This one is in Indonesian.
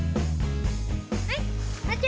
nanti udah nikah